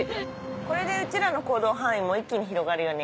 これでうちらの行動範囲も一気に広がるよね。